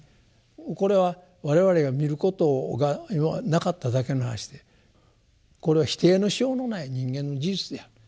もうこれは我々が見ることがなかっただけの話でこれは否定のしようのない人間の事実である。